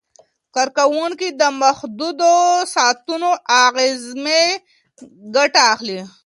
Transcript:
کارکوونکي د محدودو ساعتونو اعظمي ګټه اخلي.